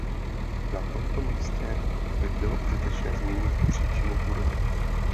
Na tomto místě by bylo užitečné zmínit příčinu chudoby.